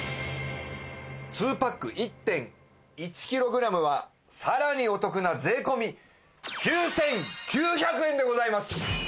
２パック１．１キログラムはさらにお得な税込９９００円でございます！